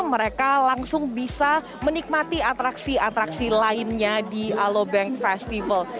mereka langsung bisa menikmati atraksi atraksi lainnya di alobank festival